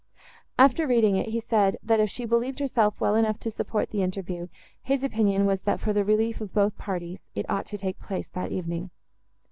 After reading it, he said, that, if she believed herself well enough to support the interview, his opinion was, that, for the relief of both parties, it ought to take place, that evening.